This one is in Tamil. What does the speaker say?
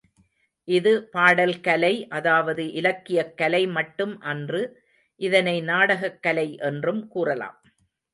இது பாடல் கலை அதாவது இலக்கியக் கலை மட்டும் அன்று இதனை நாடகக் கலை என்றும் கூறலாம்.